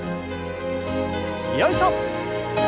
よいしょ！